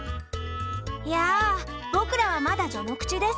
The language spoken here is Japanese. やあ僕らはまだ序の口です。